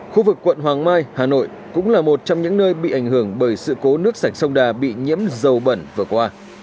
khu vực quận hoàng mai hà nội cũng là một trong những nơi bị ảnh hưởng bởi sự cố nước sạch sông đà bị nhiễm dầu bẩn vừa qua